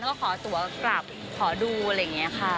แล้วก็ขอตัวกลับขอดูอะไรอย่างนี้ค่ะ